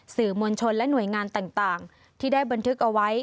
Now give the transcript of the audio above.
สื่อมวลชนและหน่วยงานต่างที่ได้บันทึกเอาไว้